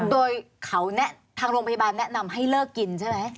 โดยเขาแนะทางโรงพยาบาลแนะนำให้เลิกกินใช่ไหม